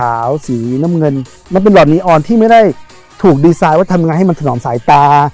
แบบสีแดงสมัยสีขาวสีน้ำเงินมันเป็นหลอดนีออนที่ไม่ได้ถูกดีไซน์ว่าทำงานให้มันถนอมสายตา